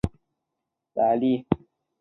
于是德拉就说出他的来历。